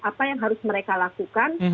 apa yang harus mereka lakukan